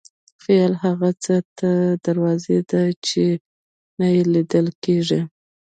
خیال هغه څه ته دروازه ده چې نه لیدل کېږي.